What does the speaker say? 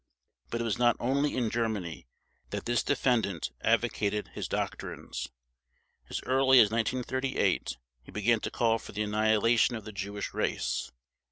But it was not only in Germany that this defendant advocated his doctrines. As early as 1938 he began to call for the annihilation of the Jewish race.